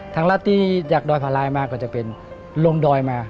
ทางรัฐที่อยากดอยภารายมากก็จะเป็นลงดอยมา